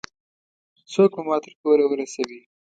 څوک به ما تر کوره ورسوي؟